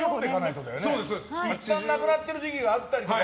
いったんなくなってる時期があったりとか。